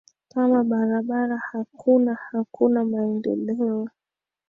kama barabara hakuna hakuna maendeleo